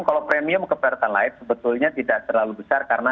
kalau premium ke pertalite sebetulnya tidak terlalu besar karena